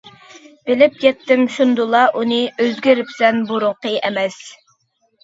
بىلىپ يەتتىم شۇندىلا ئۇنى، ئۆزگىرىپسەن بۇرۇنقى ئەمەس.